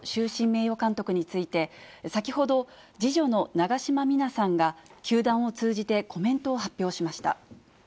名誉監督について、先ほど、次女の長島三奈さんが球団を通じてコメントを発表しました。